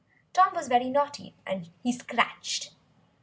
Tom was very naughty, and he scratched.